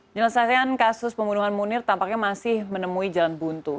menyelesaikan kasus pembunuhan munir tampaknya masih menemui jalan buntu